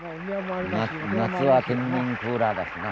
夏は天然クーラーだしな。